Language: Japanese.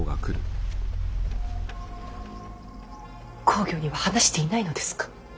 公暁には話していないのですか。